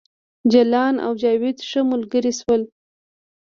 جلان او جاوید ښه ملګري شول